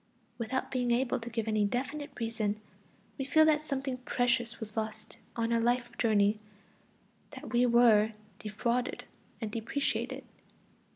Without being able to give any definite reason, we feel that something precious was lost on our life journey, that we were defrauded and depreciated.